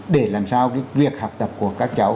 để làm sao việc học tập của các cháu